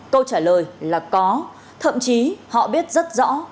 câu trả lời là có thậm chí họ biết rất rõ